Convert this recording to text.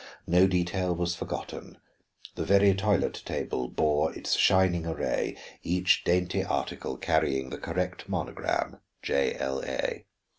No detail was forgotten; the very toilet table bore its shining array, each dainty article carrying the correct monogram, J. L. A.